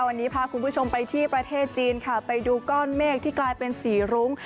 วันนี้พาคุณผู้ชมไปที่ประเทศจีนค่ะไปดูก้อนเมฆที่กลายเป็นสีรุ้ง